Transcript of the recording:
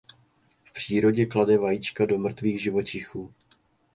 V přírodě klade vajíčka do mrtvých živočichů.